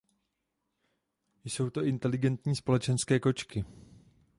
Jsou to inteligentní společenské kočky.